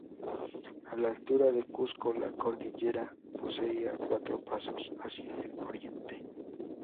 A la altura de Cusco la cordillera poseía cuatro pasos hacia el Oriente.